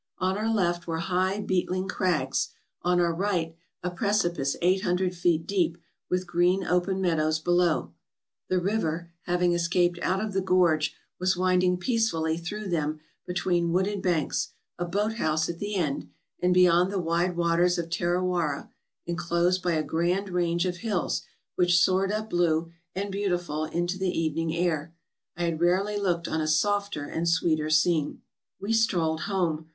On our left were high beetling crags, on our right a precipice eight hundred feet deep, with green open meadows below. The river, having escaped out of the gorge, was winding peacefully through them between wooded banks, a boat house at the end, and beyond the wide waters of Tarawara, inclosed by a grand range of hills, which soared up blue and beautiful into the evening air. I had rarely looked on a softer and sweeter scene. We strolled home.